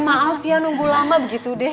maaf ya nunggu lama begitu deh